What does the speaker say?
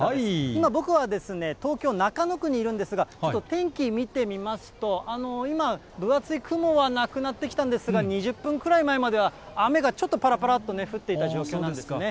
今、僕は東京・中野区にいるんですが、ちょっと天気、見てみますと、今、分厚い雲はなくなってきたんですが、２０分くらいまでは雨がちょっとぱらぱらっとね、降っていた状況なんですね。